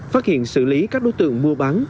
phát hiện xử lý các đối tượng mua bán